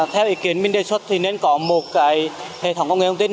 theo ý kiến mình đề xuất thì nên có một hệ thống công nghệ thông tin